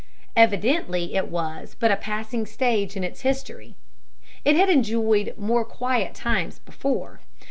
Evidently it was but a passing stage in its history; it had enjoyed more quiet times before.